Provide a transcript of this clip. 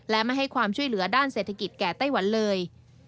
และไม่ให้ความช่วยเหลือด้านเศรษฐกิจแก่ไต้หวันเลย